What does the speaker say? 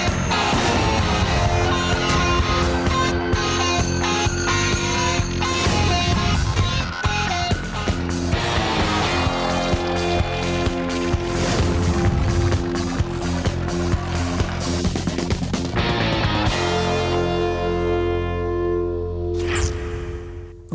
มีแคลร์เฟอร์ไพร่